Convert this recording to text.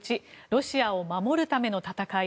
１ロシアを守るための戦い